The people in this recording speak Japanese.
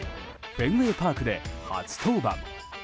フェンウェイパークで初登板。